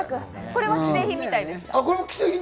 これは既製品みたいです。